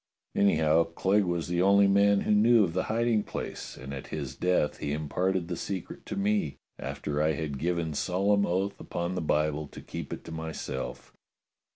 Anyhow, Clegg was the only man who knew of the hiding place, and at his death he imparted the secret to me, after I had given solemn oath upon the Bible to keep it to myself."